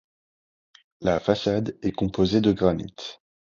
La façade est composée de granite.